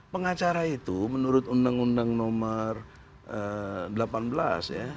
pengacara itu menurut undang undang nomor delapan belas ya